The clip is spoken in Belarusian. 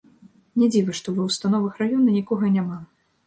Не дзіва, што ва ўстановах раёна нікога няма.